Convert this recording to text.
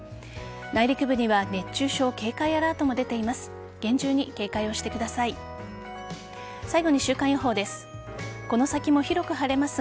内陸部には熱中症警戒アラートも出ています。